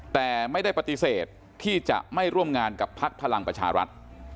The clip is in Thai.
แต่ไม่ได้ปฏิเสธที่จะไม่ร่วมงานกับพักพลังประชารัฐ